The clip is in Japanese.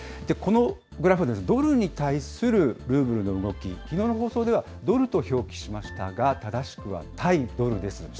このグラフですね、ドルに対するルーブルの動き、きのうの放送ではドルと表記しましたが、正しくは対ドルです。